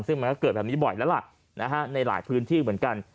ซึ่งมันก็เกิดแบบนี้บ่อยแล้วล่ะในหลายพื้นที่เหมือนกัน